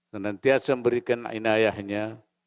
senantiasa memberikan inayahnya